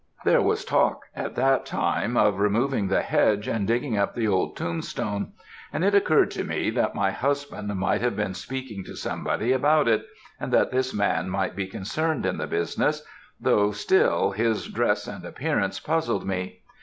"'There was a talk, at that time, of removing the hedge, and digging up the old tombstone; and it occurred to me, that my husband might have been speaking to somebody about it, and that this man might be concerned in the business, though, still, his dress and appearance puzzled me.